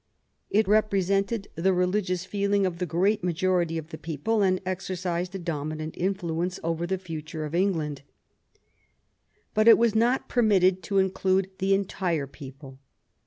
It represented the religious feeling of the great majority of the people, and exercised a dominant influence over the future of England. But it was not permitted to include the entire people.